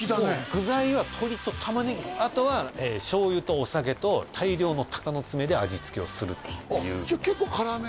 具材は鶏と玉ねぎあとは醤油とお酒と大量の鷹の爪で味付けをするっていうじゃあ結構辛め？